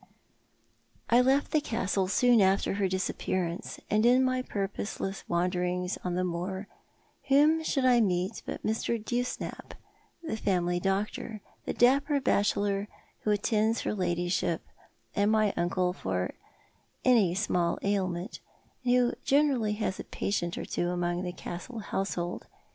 I left the Castle soon after her disappearance, and in my purposeless wanderings on the moor whom should I meet but Mr. Dewsnap, the family doctor, the dapper bachelor who attends her ladyship and my uncle for any small ailment, and who generally has a patient or two among the Castle household.